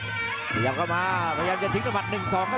พยายามเข้ามาพยายามจะทิ้งตัวหมัด๑๒